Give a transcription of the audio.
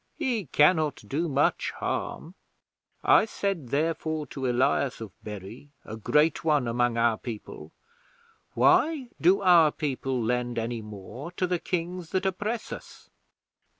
He cannot do much harm. I said, therefore, to Elias of Bury, a great one among our people: "Why do our people lend any more to the Kings that oppress us?"